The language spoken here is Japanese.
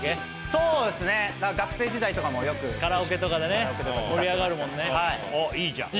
そうですね学生時代とかもよくカラオケとかでね盛り上がるもんねはいおっいいじゃん